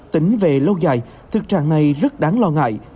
tính về lâu dài thực trạng này rất đáng lo ngại